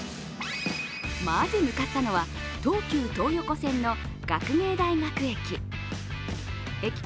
まず向かったのは東急東横線の学芸大学駅。